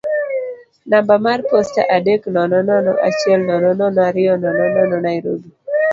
namba mar posta adek nono nono achiel nono nono ariyo nono nono Nairobi.